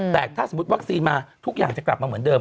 แต่ถ้าสมมุติวัคซีนมาทุกอย่างจะกลับมาเหมือนเดิม